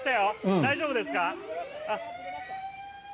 大丈夫ですか？